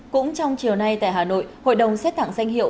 cũng trong chiều nay tại hà nội hội đồng xét tặng danh hiệu